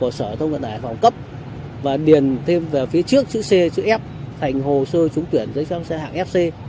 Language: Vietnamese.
hồ sơ thông cận đài phòng cấp và điền thêm vào phía trước chữ c chữ f thành hồ sơ trúng tuyển giấy phép lái xe hạng fc